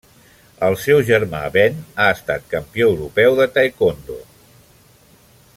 El seu germà Ben ha estat campió europeu de Taekwondo.